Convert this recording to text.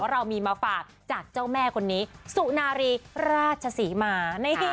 เรามีมาฝากจากเจ้าแม่คนนี้สุนารีราชศรีมา